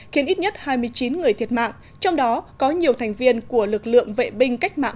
khiến ít nhất hai mươi chín người thiệt mạng trong đó có nhiều thành viên của lực lượng vệ binh cách mạng